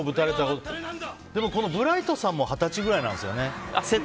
でもこのブライトさんも二十歳くらいなんですよね。